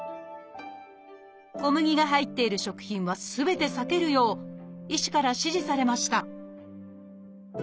小麦が入っている食品はすべて避けるよう医師から指示されました